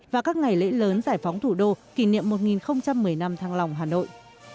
và các ngày lễ lớn giải phóng thủ đô kỷ niệm một nghìn một mươi năm thăng lòng hà nội